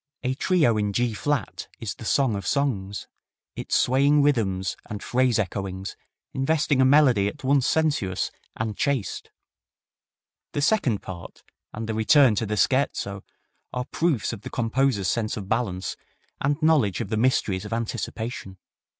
A Trio in G flat is the song of songs, its swaying rhythms and phrase echoings investing a melody at once sensuous and chaste. The second part and the return to the scherzo are proofs of the composer's sense of balance and knowledge of the mysteries of anticipation.